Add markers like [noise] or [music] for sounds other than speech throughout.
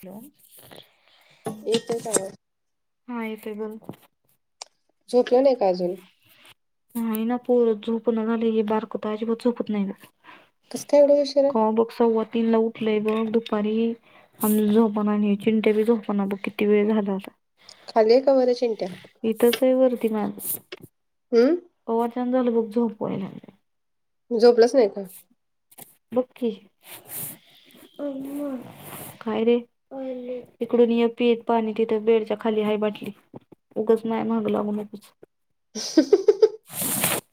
Hello. इल ते सगळं. हा येतयं [unintelligible] झोपलं नाही का अजून? नाही ना पोर झुपण झालया हे बारक तर अजिबात झोपत नाही अगं. कस काय एवढं उशिरा? हो बघ सवा तीनला उठले बघ दुपारी. आम झोप नाही चिंट्या बी झोपना ब किती वेळ झाला आता. खाली आहे का वर आहे चिंट्या? इथंच आहे वरती मान हम्म कावाचान झालं बघ झोपयला- तू झोपलंच नाही का? बघ की काय रे इकडून य पीेत पाणी तिथं बेडच्या खाली आहे बाटली उगच नाहीय माग लागू नको. हा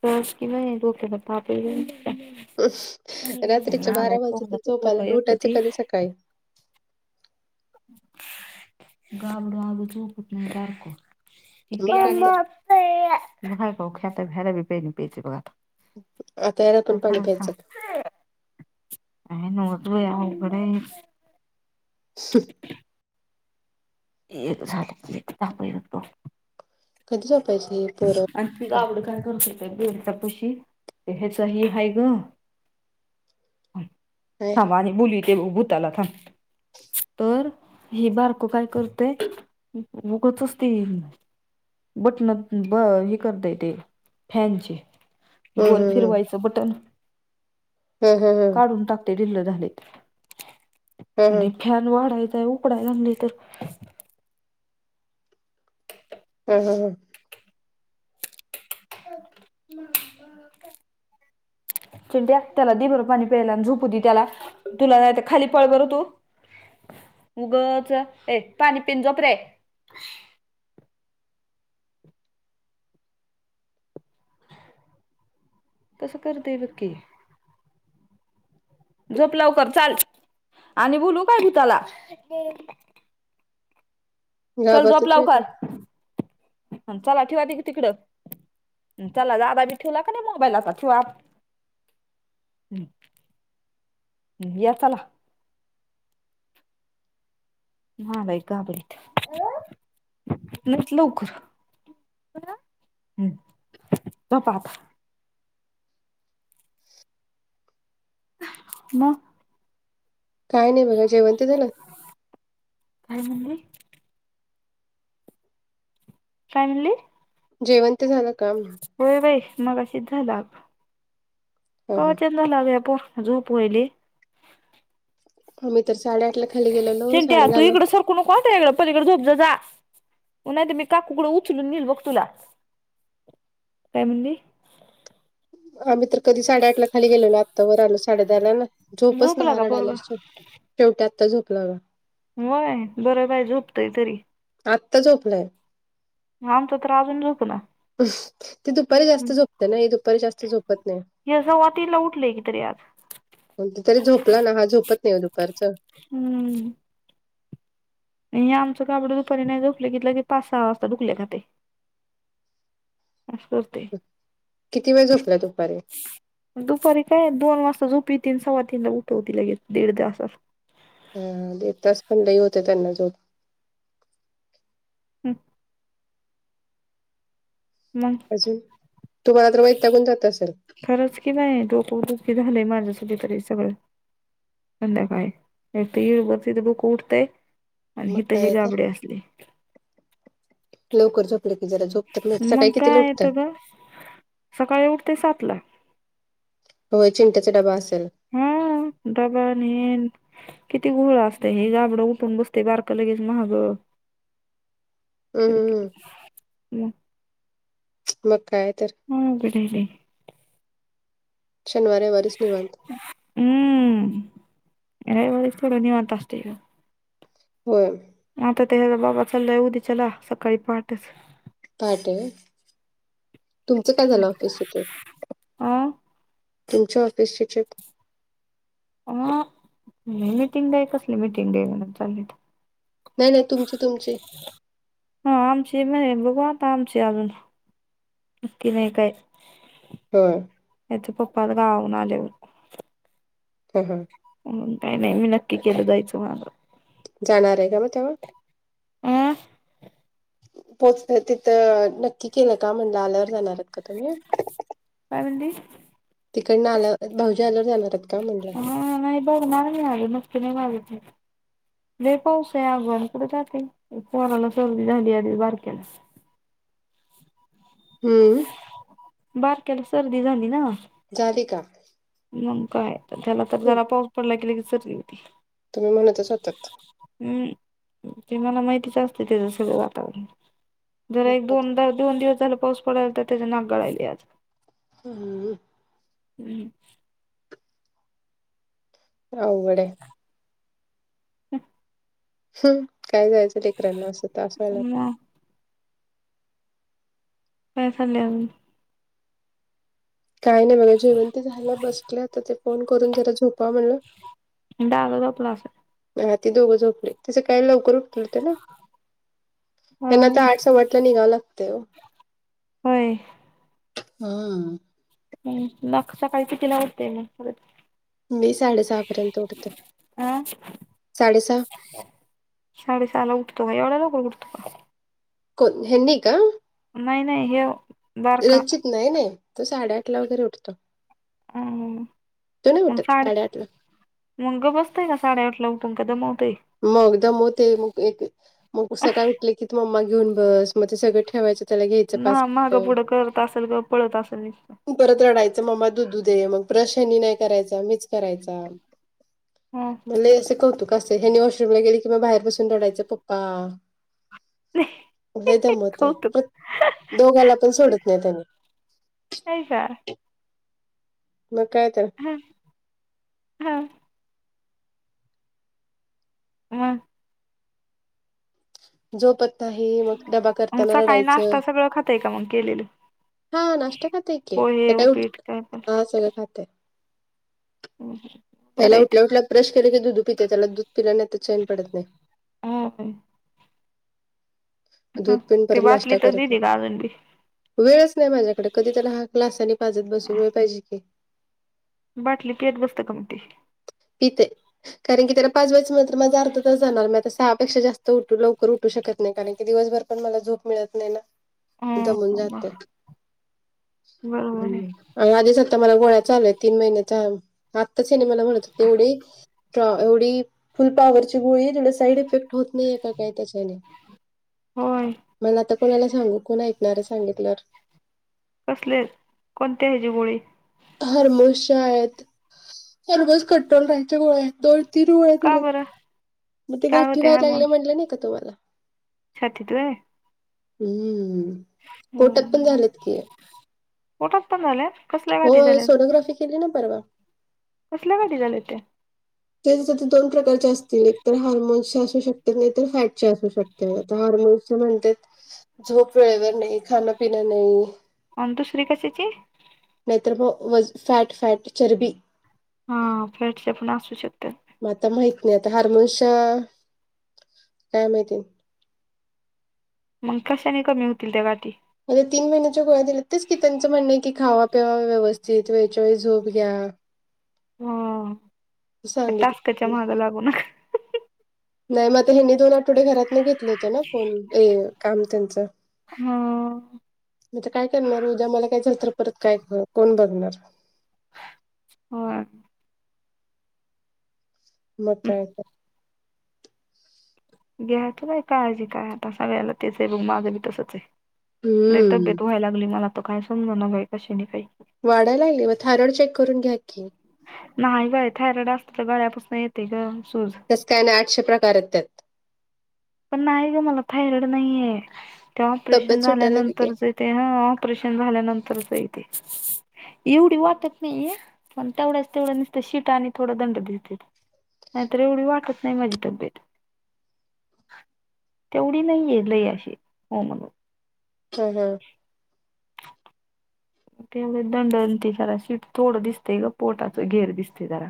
बस कि नाही डोकेल ताप आहे बै रात्रीच्या यांना बारा वाजतात पोरगा ऐकत झोपायला आणि ऐक पोरगं उठायचं ते कधी सकाळी. घाबरून अजून झोपत नाही बारकं य मग काय तर. का खित भेर बी पेन पज बघा आता याला पण पाणी प्यायचं काय नवच बाई अवघड आहे. ह्. एक झाले की एक तप आहे कधी झोपायचं हे पोरं? ग आवड काय करत बेळ त्या पशी ते ह्याच ह ह ग काय? थांब आणि बुली ते भूताला थांब तर ही बारकं काय करते उगतच ते ये बटन हे करता येते फॅनचे हम्म गोल हम्म हम्म. फिरवायचे बटन हम्म हम्म हम्म. काढून टाकते दिल्ल झालेत हम्म आणि हम्म. फॅन वाढायचाय उकडायला नाही तर हा हा हा,, चिंड्या त्याला दे बर पाणी प्यायला झोप दे त्याला तुला नाही खाली पळ बरं तू उगच ए पाणी पिऊन रे कसं करते बघ की झोप लवकर चाल आणि बोलू काय भूताला चल जोप घाबरतेत व्हय ते? लावकर चल आ ठेवा त तिकडं चला दादा बी ठेवला का नाही मोबाईलचा ठेवा ह् ह् या चला,, हा बाई गाबळीत लाहीत लवकर ह् त झोपा आता. मग काय नाही बघा जेवन तीन झालं? काय म्हणली? काय म्हणली? जेवंण ते झालं काय म्हणल? होय बाई मगाशीच झालं आगं. कवा हम्म. झालं अगं या पोरांना झोपवले. आ मी तर साडेआठ ला खाली गेलेलो साडे दहा ला क कोणत पलीकडे झोपज जा नाही तर मी काकूकडं उचलून नेल बघ तुला काय म्हणली आम्ही तर कधी साडेआठला खाली गेलो ना आत्ता ववर आलो साडे दारला ना झोपच नाही झोपला का हा पोरगा रडाल- शेवट्या अता झोपलं ग होय बरं बाय झोपतोय तरी आत्ता झोपलाय. आमच तर अजून झोप ना. ते दुपारी जास्त झोपते ना दुपारी जास्त झोपत नाही. ते तरी आज. तरी झोपला ना हा झोपत नाही दुपारचं. हम्म नाही आमंच गाबड दुपारी नाही झोपलं कि लगे पाच सहा वाजता दुखल्या खाताय. अस. किती वेळ झोपलाय दुपारी. दुपारी काय दोन वाजता झोपवती तीनसव्वा तीनला उठवती लगेच दीड वाजता. हा दड तास पण लही होते त्यांना जो. हम् अजून तुम्हाला तर वैतागून पण जात असेल. खरंच की नाही डोकदुखी की झालंय माझ्यासाठी तरी सगळं. हित यीळभर तीच डोकं उटतय. मग काय तर.... लवकर झोप जरा झोप तरं होत्या. मग सकाळी कितीला काय उठताय? येतं ग सकाळी उठते सातला होय चिंट्याचा डबा असलं. हा डबा आणि हेन किती घोळ असत हे गाबडं उठून बसतयं बारक लगेच मागं. हम्म क हम्म, हम्म. ह मग काय तर मगं अवघड आहे लय. शनिवार, रविवारीच निवांत हम्म. रविवारीच थोडं निवांत असते बघ. होयं. आता त्याचा बाबा चाललाय उद्याच्याला सकाळी पहाटच. पहाटे व्हय, तुमचं काय झालं ऑफिस [unintelligible] अ तुमच्या ऑफिसची प. अ मिटिंग द कसली मिटिंग दे म्हणून चाललीत. नाही नाही तुमची तुमची. हा आमची भी हाय बघू आता आमची अजून. नक्की नाय काय. होय. त्याचे पप्पा आज गावावरून आल्यावर. ह हा म्हणून काही नाही मी नक्की केलं जायचं माझं. जाणार आहे का मग तेव्हा हं पोहोचत तिथं नक्की केलं का म्हणलं आल्यावर जाणारात का तुम्ही काय म्ही तिकडनं आल्या भाऊजी आल्यावर जाणारात का म्हटलं हा नाही बघ मार नाही आ नुस्ती नाही मार जे पाऊस आहे अगनक जाते फराला सर्दी झाली आधी बारक्याला हम्म बारक्याला सर्दी झाली ना. झाली का? मग काय त्याला तर जरा पाऊस पडला की लगेच सर्दी होती. तुम्ही म्हणतच होतात. हम्म ते मला माहितीच असत त्याचं सगळं वातावरण. जरा एक मग दोनदा दोन दिवस झाला पाऊस पडायलय तर त्याचे नाक गळायलयं आज. [unintelligible] हम्म अवघड आहे. [unintelligible] काय जायचं लेकरांना असं त्रास व्हायला मग काय खाल्ले अजून? काय नाही बघा जेवण ते झालं, बसले आता ते फोन करून जरा झोपावं म्हणलं. दादा झोपला असल? होय ते दोघं झोपले, ते सकाळी लवकर उठ ले ते ना, हा त्यांना हा. आता आठ सव्वा आठला निघावं लागतंय ओ. होय? हा. नाख सकाळी कितीला उठलेलं [unintelligible] मी साडेसहा पर्यंत उठते, हा साडेसहा साडेसहाला उठतो का, एवढ्या लवकर उठतो का? कोण ह्यांनी का? नाही नाही, ह्यो बारका? रचित नाही नाही, तो साडेआठला वगैरे उठतो, अं तो नाही मग उठत. साड्या साडेआठला मग गप बसतंय का साडेआठ ला उठून, का दमवतंय? मग दमवतंय, मग एक मग पु सकाळी उ ठल की तु मम्मा घेऊन बस, मग ते सगळं ठेवायचं त्याला घ्यायचं पाच ह मागं पुढं मिनिटं करत असेल ग पळत असेल निस्त. परत रडायचं मग्मा दुधू दे, मग ब्रश ह्यानी नाही करायचा मीच करायचा, हं म लय ह्याचं कौतुक अस त ह्यांनी वॉशरूमला गेली की, म बाहेर बसून रडायचं पप्पा. लय दमवतंय कौतुक प्र, दोघाला पण सोडत नाही त्याने. हाय का मग कायतर. [unintelligible] हं झोपत नाही, मग डबा मग करताना सकाळी रडायचं. नाश्ता सगळं खाताय का मग केलेलं हा नाश्ता खाते की पोहे ते काय, उपीट पण हा सगळं खाते. [inaudible] पहिला आहे ते उठल्या उठल्या ब्रश केले की दुधू पितंय, त्याला दूध पिलं नायतर चैन पडत नाही हे बाई दूध पिऊन ते परत बाटली नाश्ता तर करतं. दिली का अजून बी वेळच नाही माझ्याकडे, कधी त्याला हा ग्लासानी पाजत बसू, वेळ पाहिजे की. बाटली पेत बसतं का मग ते? पितंय. कारण की त्याला पाजवायच म्हणजे माझा अर्धा तास जाणार, मी आता सहापेक्षा जास्त उठू लवकर उठू शकत नाही कारण की दिवसभर पण मला झोप मिळत नाही ना. मी हं दमून ब- जाते, बरोबर आहे बाई. आणि आधीच आता मला गोळ्या चालू आहेत, तीन महिन्याचा आत्ता ह्यानी मला म्हणत होते, एवढी का एवढी फुल पॉवरची गोळी आहे, तुला साईड इफेक्ट होत नाहीे का काय त्याच्याने? होय मला आता कोणाला सांगू, कोण ऐकणार आहे सांगितल्यावर. कसली, कोणते ह्याचे गोळी? हर्मोसच्या आहेत, हर्मोस कट्टोल राहायच्या गोळ्या आहेत, दोन तीन गोळ्या का दिल्यात. बरं मग ते काय गाठी होते व्हाय हार्मोन लागले म्हटले नाही का तुम्हाला? छातीत होय हम्म पोटात पण हम्म झालेत की पोटात पण झालेल्या होय सोनोग्राफी केली ना परवा कसल्या गाठी झाल्या त्या तेच ते दोन प्रकारचे असतील एक तर हार्मोन्सच्या असू शकत तर नाही तर हार्डच्याअसू शकतात हार्मोन्स म्हणतायत झोप वेळेवर नाही खाणपिण नाही अन दुसरी कशाची नाही तर मग वज फॅट फॅट चर्बी हा आ फॅटसच्या पण असु शेकत्यात म आता माहित नाही आता हार्मोन्सच्या काय माहिती मग कशानी कमी होतील त्या गाठी मला तीन महिन्याच्या गोळ्या दिल्या तेच की त्यांचं म्हणणं आहे की खावा पिवा व्यवस्थित वेळच्या वेळीस झोप घ्या हा अ या टासकच्या सांगितलं मागे लागून [unintelligible] नाही मग हनी दोन आठवडे घरात नाही घेतलत तेना फोन पॅ काम त्यांच ह म आता काय करणार ऊदया मला काय झाला तर परत काय कोण बघणार हो मग हं, काय तर घ्या की बाई काळजी काय आता सगळ्याला तेच आहे बघ माझ्बी तसच आहे लया हम्म तब्येत व्हाय लागली मला तर काय समज न बाई कशा नी काय वाढालागली म थारड चेक करून घ्या की नाही बाई थायरॉइड असत तर गळ्यापासून येते ग सूज तस काय नाही आठशे प्रकार आहेत त्यात पण नाही ग मला थाैरड नाहीये ते ऑपरेशन तब्येत सुटायला लागली की झाल्यानंतरचे ते ह ऑपरेशन झाल्यानंतरचय तेे एवढी वाटत नाही ये पण तेवढ्याच तेवढं नसत शीट आणि थोडा दंड दिसतेत नाहीतर एवढी वाटत नाही माझी तब्येत तेवढी नाही आहे लय अशी हो म्हणून हम हम तेवढे दंडते जरा शीट थोडं दिसते ग पोटाचं घेर दिसते जरा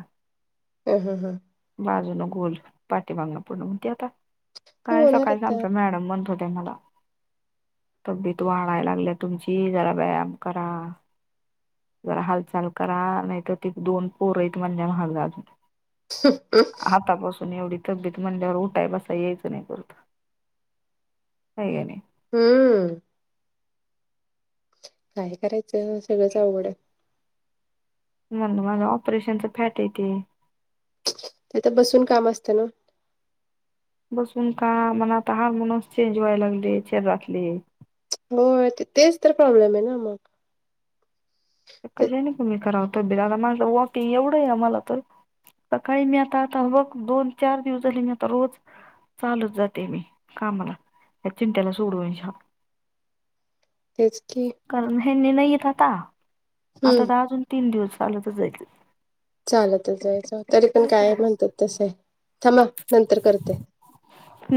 ह ह हां बाजून गोल पाठीमागण पूर्ण म्हणती आता ते काय होणार सकाळीच आता आमचा मॅडम म्हणत होत्या त्या मला तब्येत वाढायला लागल्या तुमची जरा व्यायाम करा जरा हालचाल करा नाही तर तिथ दोन पोरं आहे महागा अजून सूक आतापासून एवढी तब्येत म्हंल्यावर उठाय बसा यायचं नाही परत हय कनी हम्म काय करायचं सगळंच आवड आहे म माझ ऑपरेशनच फॅट येते त्या तर बसून काम असतं ना बसून का मनात हार्मोनस चेंज व्हायला लागले शरीरातले होय तेच तर प्रॉब्लेम आहे ना मग ते कशाने कमी करावा तब्येत आता माझ वॉकिंग एवढं आहे मला तर सकाळी मी आता आता बघ दोन चार दिवस झाले मी आता रोज चालूच जाते मी कामाला त्या चिंट्याला सोडून शान तेच की कारण हेनी नाहीयेत आता आता हम्म तर अजून तीन दिवस चालत जायचे चालतच जायच तरी पण काय म्हणतात तस आहे थांबा नंतर करते हम्म